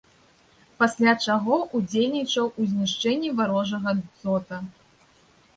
Пасля чаго ўдзельнічаў у знішчэнні варожага дзота.